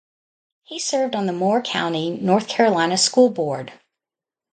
He served on the Moore County, North Carolina School Board.